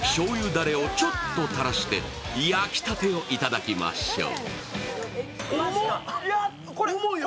だれをちょっと垂らして焼きたてをいただきましょう。